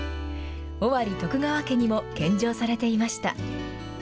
尾張徳川家にも献上されていました。